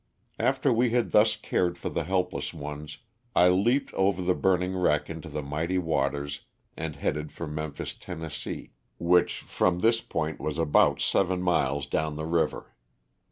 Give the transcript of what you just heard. After we had thus cared for the help less ones, I leaped over the burning wreck into the mighty waters and headed for Memphis, Tenn., which, from this point, was about seven miles down the river.